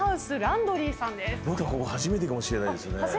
僕ここ初めてかもしれないですね。